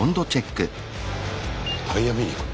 タイヤ見に行くの？